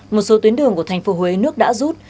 một số tuyến đường của thành phố huế nước đã rút